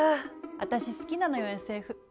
私好きなのよＳＦ。